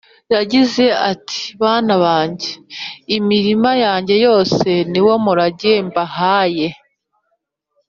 Yagize ati : “Bana bange, imirima yange yose ni wo murage mbahaye